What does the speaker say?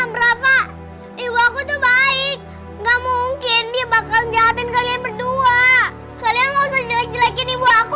merata ibu aku tuh baik nggak mungkin dia bakal jahatin kalian berdua kalian